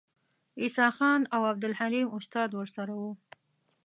عیسی خان او عبدالحلیم استاد ورسره وو.